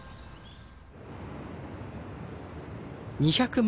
２００万